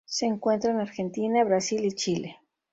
Se encuentra en Argentina, Brasil y Chile.